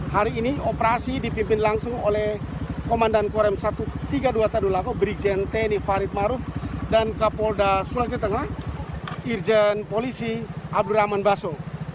hari ini operasi dipimpin langsung oleh komandan korem satu ratus tiga puluh dua tadulako brigjen teni farid maruf dan kapolda sulawesi tengah irjen polisi abdurrahman baso